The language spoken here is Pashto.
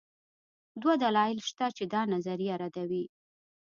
دوه دلایل شته چې دا نظریه ردوي